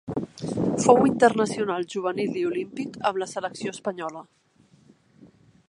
Fou internacional juvenil i olímpic amb la selecció espanyola.